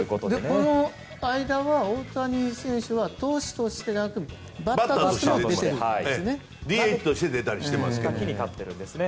この間は大谷選手は投手としてではなくバッターとしても出ているんですね。